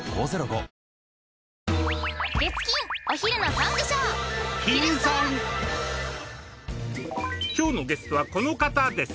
本日のゲストはこの方です。